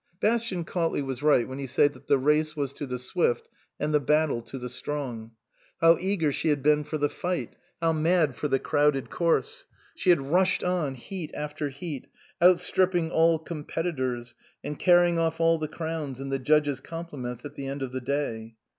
Bastian Cautley was right when he said that the race was to the swift and the battle to the strong. How eager she had been for the fight, how mad for the crowded course ! She had rushed on, heat after heat, outstripping all competitors and carrying off all the crowns and the judges' compliments at the end of the day.